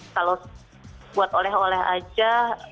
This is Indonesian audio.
kalau buat oleh oleh aja